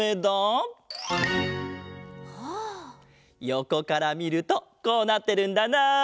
よこからみるとこうなってるんだな。